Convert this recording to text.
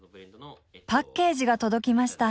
パッケージが届きました。